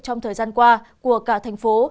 trong thời gian qua của cả thành phố